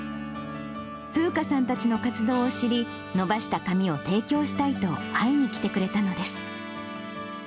楓佳さんたちの活動を知り、伸ばした髪を提供したいと、会いに来てくれたのです。